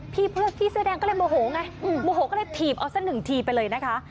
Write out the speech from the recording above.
พี่เสื้อแดงก็เลยโมโหไงโมโหก็เลยถีบเอาสักหนึ่งทีไปเลยนะคะ